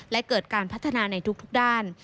และเกิดการพัฒนาในทุกด้าน